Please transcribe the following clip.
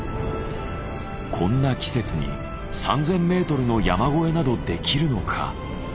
こんな季節に３，０００メートルの山越えなどできるのか？